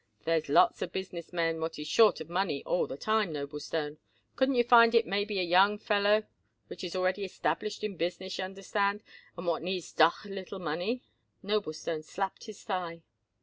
There's lots of business men what is short of money all the time, Noblestone. Couldn't you find it maybe a young feller which is already established in business, y'understand, and what needs doch a little money?" Noblestone slapped his thigh.